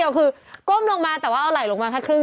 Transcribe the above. อีกนิดนึง